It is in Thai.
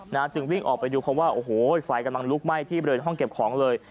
จึงวิ่งออกไปดูเพราะว่าโอ้โหไฟกำลังลุกไหม้ที่บริเวณห้องเก็บของเลย